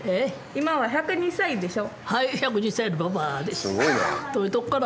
今は１０２歳でしょ。